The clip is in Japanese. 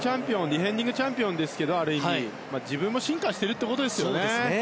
ディフェンディングチャンピオンですけどある意味、自分も進化しているということですよね。